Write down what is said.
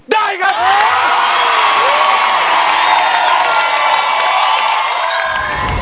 ได้ครับ